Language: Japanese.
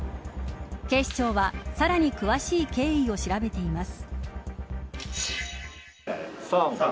警視庁は、さらに詳しい経緯を調べています。